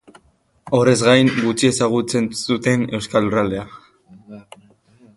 Horrez gain, gutxi ezagutzen zuten euskal lurraldea.